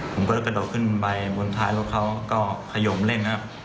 ผมก็เลยกระโดดขึ้นไปบนท้ายรถเขาก็ขยมเล่นครับ